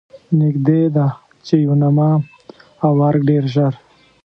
نږدې ده چې یوناما او ارګ ډېر ژر.